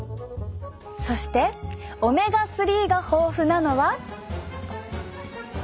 そしてオメガ３が豊富なのは。